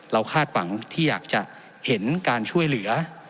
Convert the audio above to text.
คาดหวังที่อยากจะเห็นการช่วยเหลือ